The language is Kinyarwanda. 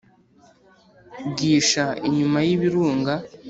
bwisha inyuma y'ibirunga